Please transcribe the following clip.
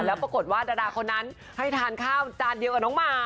แล้วปรากฏว่าดาราคนนั้นให้ทานข้าวจานเดียวกับน้องหมา